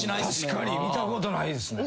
確かに見たことないですね。